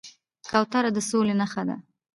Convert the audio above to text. کوتره د سولې نښه ده